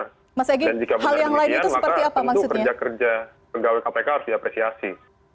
dan jika benar demikian maka tentu kerja kerja pegawai kpk harus diapresiasi